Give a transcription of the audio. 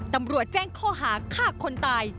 ตำรวจแจ้งข้อหาฆ่าคนตาย